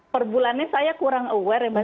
per bulannya saya kurang aware mbak